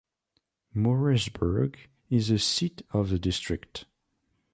Moorreesburg is the seat of the district.